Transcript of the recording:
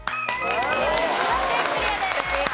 千葉県クリアです。